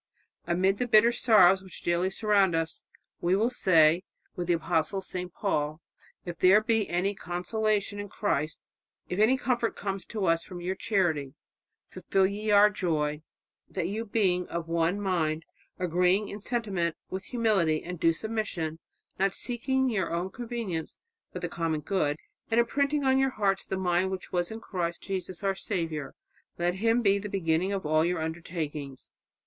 Amid the bitter sorrows which daily surround us, we will say, with the apostle St. Paul, if there be any consolation in Christ, if any comfort comes to us from your charity ... fulfil ye our joy, that you being of one mind ... agreeing in sentiment, with humility and due submission, not seeking your own convenience but the common good, and imprinting on your hearts the mind which was in Christ Jesus our Saviour. Let Him be the beginning of all your undertakings.